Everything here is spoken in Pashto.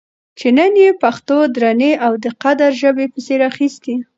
چې نن یې پښتو درنې او د قدر ژبې پسې راخیستې